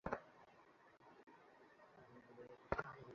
কী দেখছেন স্যার?